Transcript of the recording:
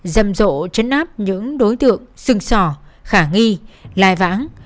rầm rộ chấn áp những đối tượng sừng sò khả nghi lai vãng